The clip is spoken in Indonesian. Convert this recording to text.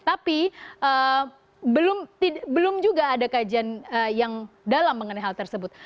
tapi belum juga ada kajian yang dalam mengenai hal tersebut